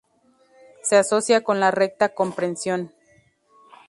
Se asocia con la Recta Comprensión.